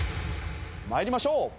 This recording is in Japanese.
まいりましょう！